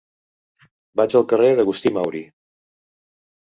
Vaig al carrer d'Agustí Mauri.